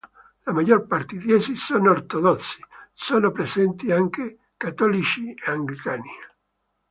La maggior parte di essi sono ortodossi; sono presenti anche cattolici e anglicani.